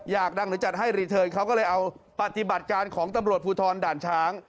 อยากดังหรือจัดให้รีเทิร์นเขาก็เลยเอาปฏิบัติการของตำรวจภูทรด่านช้าง